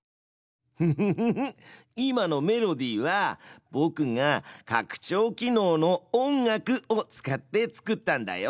フフフフ今のメロディーはぼくが拡張機能の「音楽」を使って作ったんだよ！